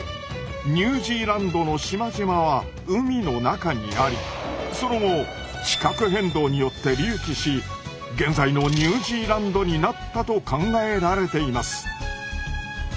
ニュージーランドの島々は海の中にありその後現在のニュージーランドになったと考えられています。